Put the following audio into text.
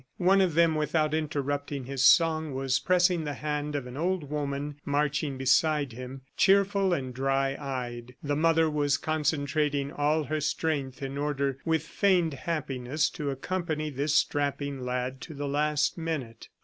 One of them, without interrupting his song, was pressing the hand of an old woman marching beside him, cheerful and dry eyed. The mother was concentrating all her strength in order, with feigned happiness, to accompany this strapping lad to the last minute.